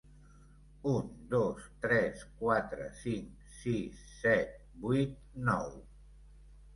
Un dos tres quatre cinc sis set vuit nou.